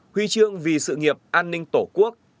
huy chương vì sự nghiệp an ninh tổ quốc